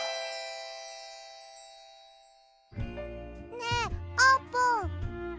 ねえあーぷん